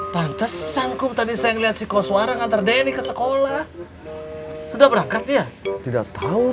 pantes sangkum tadi saya ngeliat si kos warang antar denny ke sekolah sudah berangkat ya tidak tahu